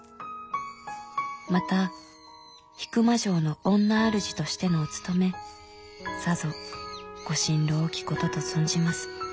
また引間城のおんな主としてのお勤めさぞご心労多きことと存じます。